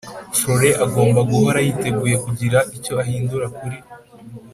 Floren agomba guhora yiteguye kugira icyo ahindura kuri